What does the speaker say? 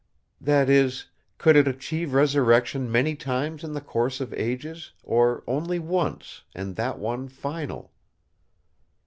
That is: could it achieve resurrection many times in the course of ages; or only once, and that one final?"